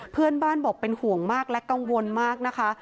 เพื่อนบ้านบอกเป็นห่วงมากและกังวลมากนะคะ